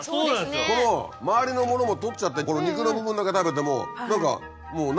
この周りのものも取っちゃってこの肉の部分だけ食べても何かもう。